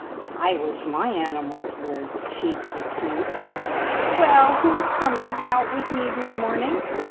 "I wish my animals were as cheap to keep! Well, who is coming out with me this morning?